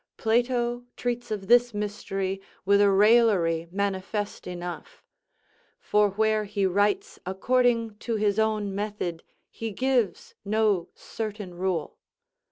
Plato treats of this mystery with a raillery manifest enough; for where he writes according to his own method he gives no certain rule.